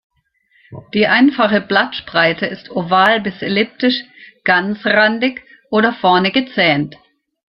Die einfache Blattspreite ist oval bis elliptisch, ganzrandig oder vorne gezähnt.